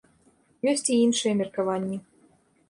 Ёсць і іншыя меркаванні.